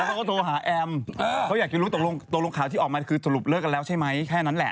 เขาก็โทรหาแอมเขาอยากจะรู้ตกลงตกลงข่าวที่ออกมาคือสรุปเลิกกันแล้วใช่ไหมแค่นั้นแหละ